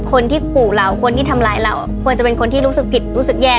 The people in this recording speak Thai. คนที่ขู่เราคนที่ทำร้ายเราควรจะเป็นคนที่รู้สึกผิดรู้สึกแย่